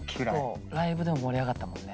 ライブでも盛り上がったもんね